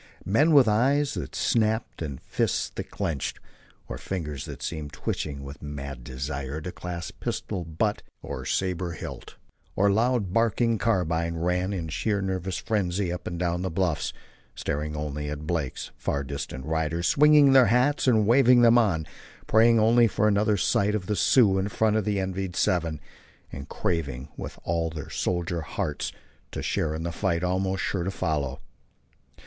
Men, with eyes that snapped and fists that clinched, or fingers that seemed twitching with mad desire to clasp pistol butt or sabre hilt, or loud barking carbine, ran in sheer nervous frenzy up and down the bluffs, staring only at Blake's far distant riders, swinging their hats and waving them on, praying only for another sight of the Sioux in front of the envied seven, and craving with all their soldier hearts to share in the fight almost sure to follow.